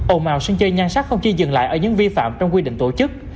ôn màu xinh chơi nhan sắc không chỉ dừng lại ở những vi phạm trong quy định tổ chức